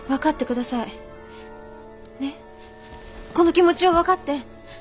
ねっこの気持ちを分かって！